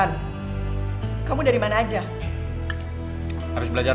emang gak gue berusaha nih hunur suruh bella biasa lihat cutie